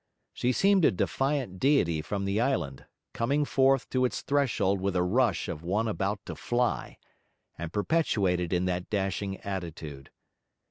She seemed a defiant deity from the island, coming forth to its threshold with a rush as of one about to fly, and perpetuated in that dashing attitude.